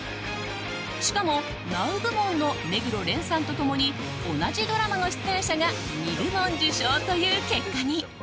しかも、ＮＯＷ部門の目黒蓮さんと共に同じドラマの出演者が２部門受賞という結果に。